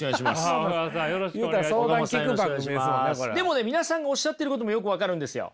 でもね皆さんがおっしゃってることもよく分かるんですよ。